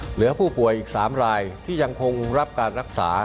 เหลือผู้ป่วยอีก๓รายที่ยังคงรับการรักษา